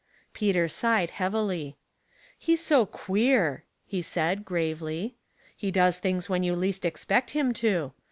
Peter sighed heavily. '* He's so queer," he said, gravely. *' He does things when you least expect him to.